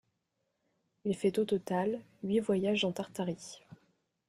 Il fait au total huit voyages en Tartarie.